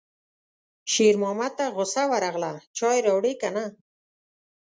شېرمحمد ته غوسه ورغله: چای راوړې که نه